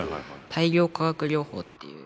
大量化学療法っていう。